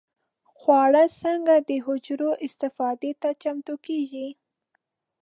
خواړه څنګه د حجرو استفادې ته چمتو کېږي؟